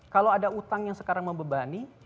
kalau ada utang yang sekarang membebani